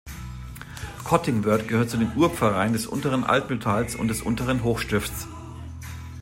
Kottingwörth gehört zu den Urpfarreien des unteren Altmühltals und des unteren Hochstifts.